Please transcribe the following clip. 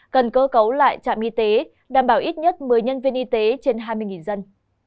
cần cơ cấu lại trạm y tế đảm bảo ít nhất một mươi nhân viên y tế trên hai mươi dân